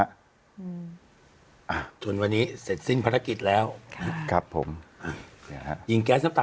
อ่าจนวันนี้เสร็จสิ้นภาระกิจแล้วครับผมเนี่ยครับยิงแก๊สน้ำตา